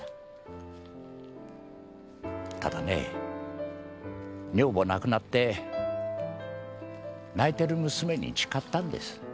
ただね女房亡くなって泣いている娘に誓ったんです。